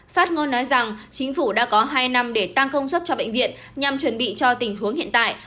phát ngôn nói rằng chính phủ đã có hai năm để tăng công suất cho bệnh viện nhằm chuẩn bị cho tình huống hiện tại